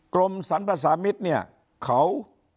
กรมสรรพสามิตรเนี่ยเขา